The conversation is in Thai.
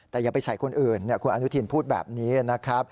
แต่อย่าไปใส่คนอื่นคุณอนุทินพูดแบบนี้นะครับ